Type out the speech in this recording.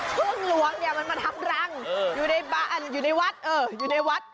พึ่งหลวงเนี่ยมันมาทับรังอยู่ในวัด